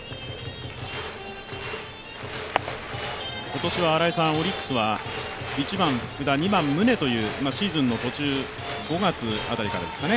今年はオリックスは１番・福田２番・宗という、シーズンの途中、５月辺りからですかね